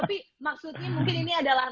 tapi maksudnya mungkin ini adalah